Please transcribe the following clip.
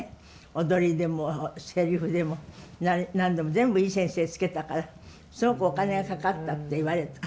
踊りでもセリフでも何でも全部いい先生つけたからすごくお金がかかったって言われた。